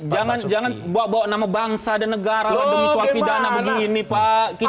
jadi jangan bawa bawa nama bangsa dan negara demi suapidana begini pak